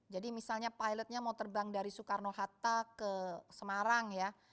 jadi misalnya pilotnya mau terbang dari soekarno hatta ke semarang ya